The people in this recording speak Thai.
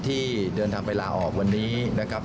ที่เดินทางไปลาออกวันนี้นะครับ